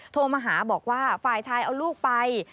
โทรมาหาบอกว่าฝ่ายชายเอาลูกไป